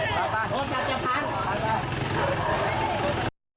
ดึกมือทำมาหาอ่ะหักแก๊สต่อไป